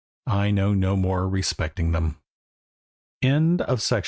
I know no more respecting them. TALES OF CATS.